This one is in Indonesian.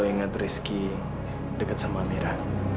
ya hela satu kejar diri